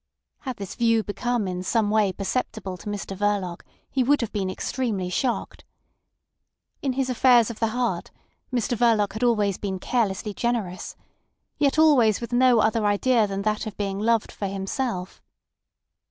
Had this view become in some way perceptible to Mr Verloc he would have been extremely shocked. In his affairs of the heart Mr Verloc had been always carelessly generous, yet always with no other idea than that of being loved for himself.